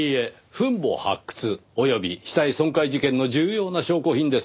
墳墓発掘及び死体損壊事件の重要な証拠品です。